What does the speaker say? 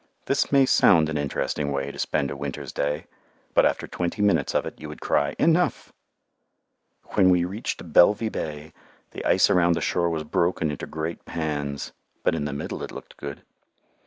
This may sound an interesting way to spend a winter's day, but after twenty minutes of it you would cry "enough." When we reached Belvy Bay the ice around the shore was broken into great pans, but in the middle it looked good.